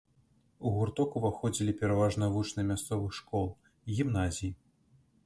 У гурток уваходзілі пераважна вучні мясцовых школ, гімназій.